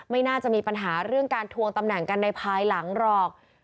ไม่น่าจะมีปัญหาเรื่องการทวงตำแหน่งกันในภายหลังหรอก